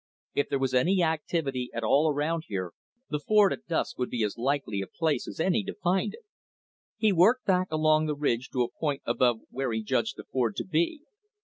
If there was any activity at all around here, the ford at dusk would be as likely a place as any to find it. He worked back along the ridge to a point above where he judged the ford to be.